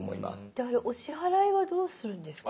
であれお支払いはどうするんですか？